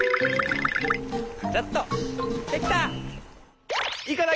カチャッとできた！